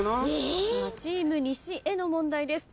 チーム西への問題です。